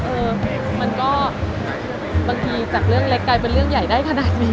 เออมันก็บางทีจากเรื่องเล็กกลายเป็นเรื่องใหญ่ได้ขนาดนี้